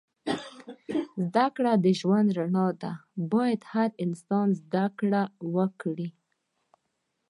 زده کړه د ژوند رڼا ده. باید هر انسان زده کړه وه کوی